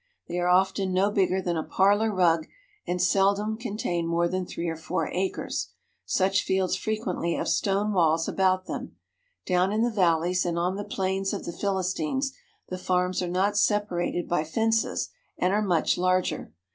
They are often no bigger than a parlour rug and seldom contain more than three or four acres. Such fields frequently have stone walls about them. Down in the valleys and on the plains of the Philistines the farms are not separated by fences and are much larger.